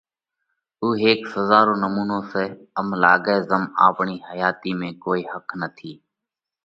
اُو هيڪ سزا رو نمُونو سئہ۔ ام لاڳئه زم آپڻِي حياتِي ۾ ڪوئي ۿک نٿِي۔